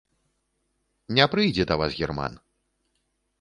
Не прыйдзе да вас герман.